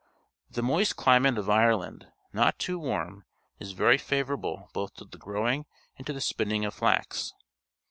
The moist cliniate of Ireland, not too warm, is very favourable both to the grow ing and to the spinning of flax.